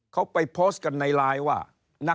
เขาไปโพสต์กันในไลน์ว่า